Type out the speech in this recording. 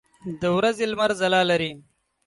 د ورځې لمر ځلا لري.